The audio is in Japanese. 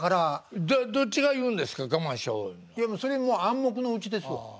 いやもうそれ暗黙のうちですわ。